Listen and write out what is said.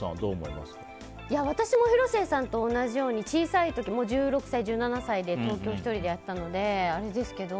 私も広末さんと同じように小さい時、１６歳１７歳で東京１人で来たのであれですけど。